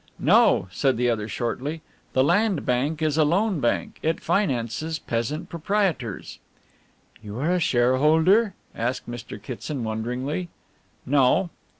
"No," said the other shortly, "the Land Bank is a Loan Bank. It finances peasant proprietors." "You a shareholder?" asked Mr. Kitson wonderingly. "No."